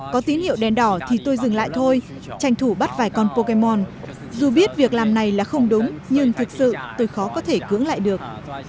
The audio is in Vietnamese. có tín hiệu đèn đỏ thì tôi dừng lại thôi tranh thủ bắt vài con pokemon dù biết việc làm này là không đúng nhưng thực sự tôi khó có thể cưỡng lại được